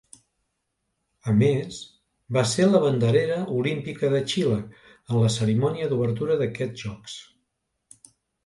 A més, va ser la banderera olímpica de Xile en la cerimònia d'obertura d'aquests Jocs.